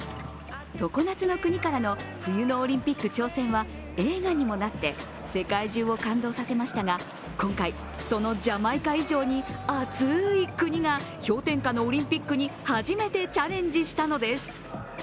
常夏の国からの冬のオリンピック挑戦は映画にもなって世界中を感動させましたが、今回、そのジャマイカ以上に熱い国が氷点下のオリンピックに初めてチャレンジしたのです。